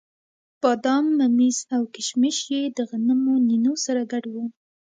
بادام، ممیز او کېشمش یې د غنمو نینو سره ګډ وو.